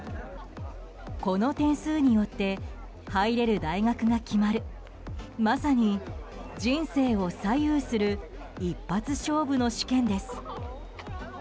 この点数によって入れる大学が決まるまさに人生を左右する一発勝負の試験です。